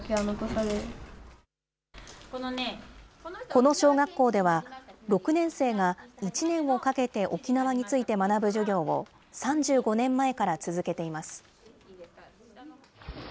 この小学校では、６年生が１年をかけて沖縄について学ぶ授業を、３５年前から続けています。